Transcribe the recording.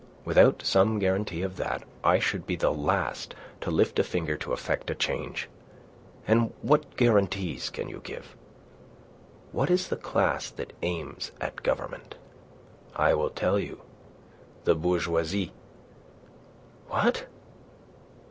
Without some guarantee of that I should be the last to lift a finger to effect a change. And what guarantees can you give? What is the class that aims at government? I will tell you. The bourgeoisie." "What?"